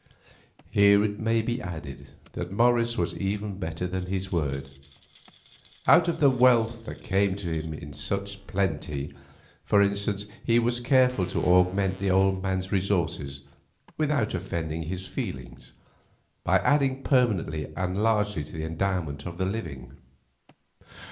Here it may be added that Morris was even better than his word. Out of the wealth that came to him in such plenty, for instance, he was careful to augment the old man's resources without offending his feelings, by adding permanently and largely to the endowment of the living.